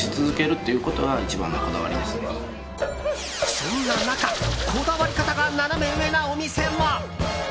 そんな中、こだわり方がナナメ上なお店も。